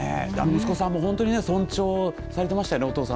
息子さんも本当に尊重されていましたよね